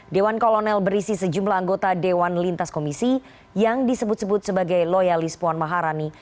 dewan kolonel berisi sejumlah anggota dewan lintas komisi yang disebut sebut sebagai loyalis puan maharani